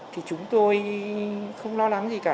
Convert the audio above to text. thì chúng tôi không lo lắng gì cả